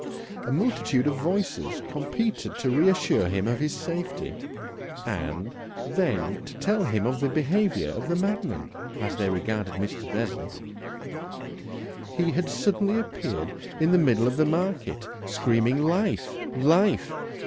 A multitude of voices competed to reassure him of his safety, and then to tell him of the behaviour of the madman, as they regarded Mr. Bessel. He had suddenly appeared in the middle of the market screaming "Life! Life!"